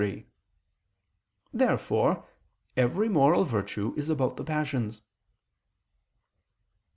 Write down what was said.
Therefore every moral virtue is about the passions.